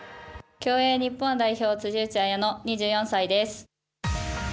競泳日本代表辻内彩野、２４歳です。